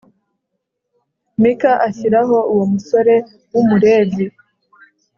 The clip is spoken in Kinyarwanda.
mika ashyiraho uwo musore w'umulevi